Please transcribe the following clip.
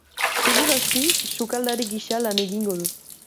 Segur aski sukaldari gisa lan egingo du.